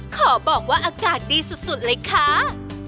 ขอบอกว่าอากาศดีสุดเลยค่ะ